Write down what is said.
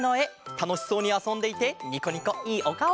たのしそうにあそんでいてニコニコいいおかお。